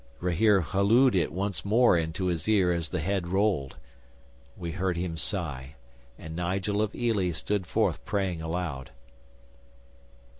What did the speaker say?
'Rahere hallooed it once more into his ear as the head rolled. We heard him sigh, and Nigel of Ely stood forth, praying aloud.